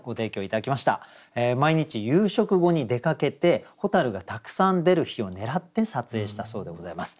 毎日夕食後に出かけて蛍がたくさん出る日を狙って撮影したそうでございます。